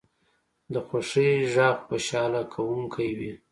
د خوښۍ غږ خوشحاله کوونکی وي